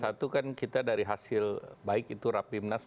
satu kan kita dari hasil baik itu rapimnas